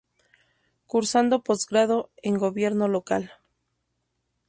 Cursando postgrado en Gobierno Local.